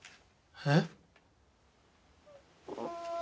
えっ？